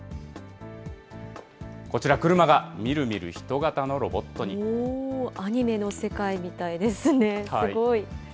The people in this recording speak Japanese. こちら、車がみるみる人型のロボアニメの世界みたいですね。